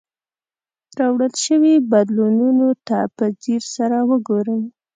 راوړل شوي بدلونونو ته په ځیر سره وګورئ.